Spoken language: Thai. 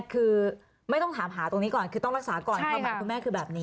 คือไม่ต้องถามหาตรงนี้ก่อนคือต้องรักษาก่อนความหมายคุณแม่คือแบบนี้